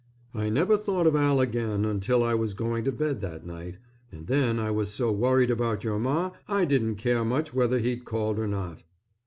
I never thought of Al again until I was going to bed that night, and then I was so worried about your Ma I didn't care much whether he'd called or not.